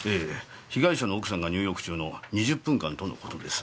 被害者の奥さんが入浴中の２０分間との事です。